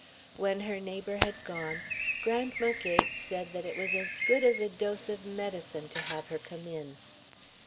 When her neighbour had gone, Grandma Gates said that it was as good as a dose of medicine to have her come in.